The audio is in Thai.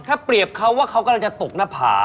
ถ้าเปรียบเขาว่าเขากำลังจะตกหน้าผา